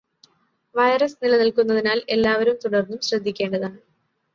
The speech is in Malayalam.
വൈറസ് നിലനില്ക്കുന്നതിനാല് എല്ലാവരും തുടര്ന്നും ശ്രദ്ധിക്കേണ്ടതാണ്.